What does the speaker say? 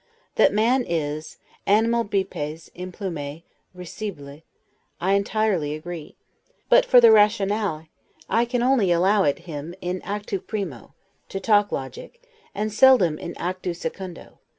That man is, 'animal bipes, implume, risibile', I entirely agree; but for the 'rationale', I can only allow it him 'in actu primo' (to talk logic) and seldom in 'actu secundo'.